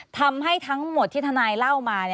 ทำให้ทั้งหมดที่ทนายเล่ามา